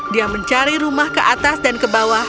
dia mencari rumah ke atas dan ke bawah